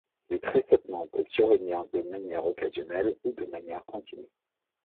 Les tressautements peuvent survenir de manière occasionnelle ou de manière continue.